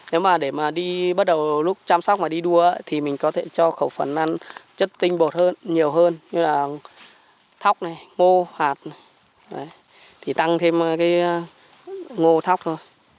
nếu mà để mà đi bắt đầu lúc chăm sóc và đi đua thì mình có thể cho khẩu phần ăn chất tinh bột hơn nhiều hơn như là thóc này ngô hạt thì tăng thêm cái ngô thóc thôi